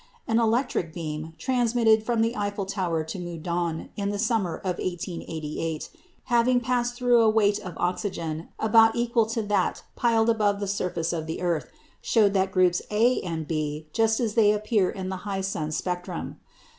An electric beam, transmitted from the Eiffel Tower to Meudon in the summer of 1888, having passed through a weight of oxygen about equal to that piled above the surface of the earth, showed the groups A and B just as they appear in the high sun spectrum.